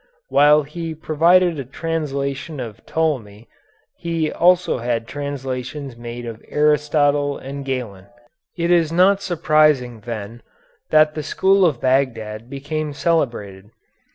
While he provided a translation of Ptolemy he also had translations made of Aristotle and Galen. It is not surprising, then, that the school of Bagdad became celebrated.